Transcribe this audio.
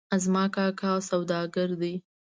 زما کاکا سوداګر ده